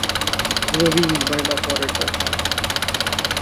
Rabi mobile operator